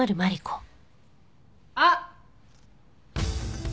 あっ！